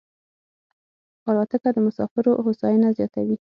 الوتکه د مسافرو هوساینه زیاتوي.